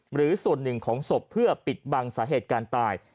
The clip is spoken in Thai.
หรือส่วนหนึ่งของศพเพื่อปิดบังสาเหตุการณ์ตาย